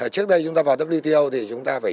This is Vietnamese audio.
trước đây chúng ta vào wto thì chúng ta phải